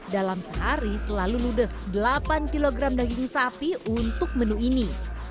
dalam sehari selalu ludes delapan kg daging sapi untuk menu ini